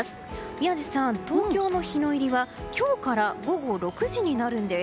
宮司さん、東京の日の入りは今日から午後６時になるんです。